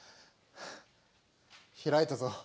開いたぞ。